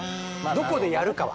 どこでやるかは。